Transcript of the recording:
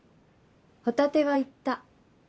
「ホタテは言った」。